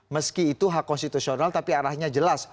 meski itu hak konstitusional tapi arahnya jelas